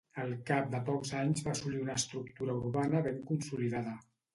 Al cap de pocs anys va assolir una estructura urbana ben consolidada.